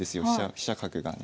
飛車角がね。